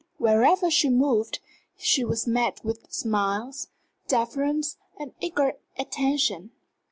Wherever she moved she was met with smiles, deference, and eager attention.